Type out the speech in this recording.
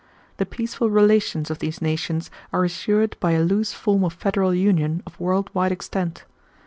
The peaceful relations of these nations are assured by a loose form of federal union of world wide extent.